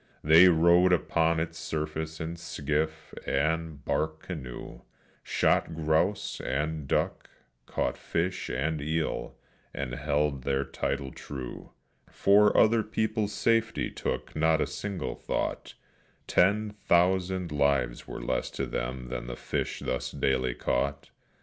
They rode upon its surface in skiff, and bark canoe, Shot grouse and duck, caught fish and eel, and held their title true; For other people's safety took not a single thought Ten thousand lives were less to them than fish thus daily caught.